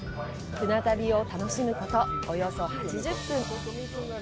船旅を楽しむこと、およそ８０分。